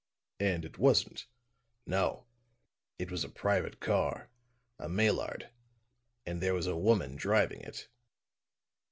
"And it wasn't?" "No, it was a private car a Maillard, and there was a woman driving it."